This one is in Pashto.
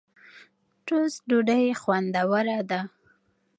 ټوسټ ډوډۍ خوندوره ده.